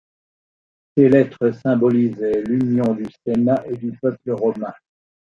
Ces lettres symbolisaient l'union du Sénat et du peuple romain.